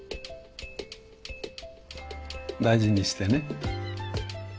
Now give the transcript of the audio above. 大事にしてね。